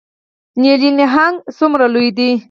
نیلي نهنګ څومره لوی دی؟